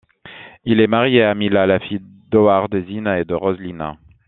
Il est marié à Myla, la fille d'Howard Zinn et de Roslyn.